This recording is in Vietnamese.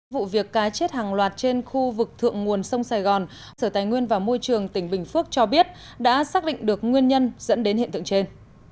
vụ việc cá chết hàng loạt trên khu vực thượng nguồn sông sài gòn sở tài nguyên và môi trường tỉnh bình phước cho biết đã xác định được nguyên nhân dẫn đến hiện tượng trên